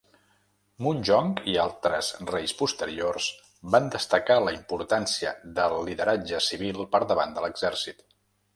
Munjong, i altres reis posteriors, van destacar la importància del lideratge civil per davant de l'exèrcit.